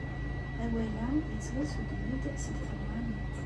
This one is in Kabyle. Awal-a yettwassuddem-d seg talmanit.